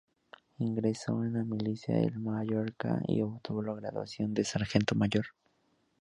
Ingresó en la milicia de Mallorca y obtuvo la graduación de sargento mayor.